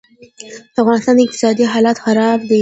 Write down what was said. دافغانستان اقتصادي حالات خراب دي